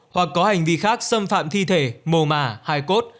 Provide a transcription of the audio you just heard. hoặc có hành vi khác xâm phạm thi thể mồ mả hài cốt